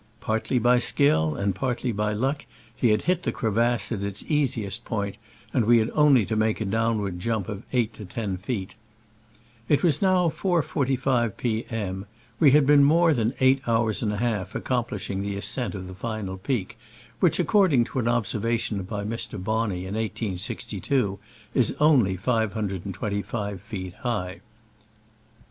Partly by skill and partly by luck he had hit the crevasse at its easiest point, and we had only to make a downward jump of eight or ten feet. It was now 4.45 p. M. : we had been more than eight hours and a half ac complishing the ascent of the final peak, which, according to an observation by Mr. Bonney in 1862, is only 525 feet high.